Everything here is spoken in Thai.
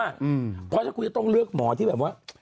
เพราะถ้าคุณจะต้องเลือกหมอที่แบบว่า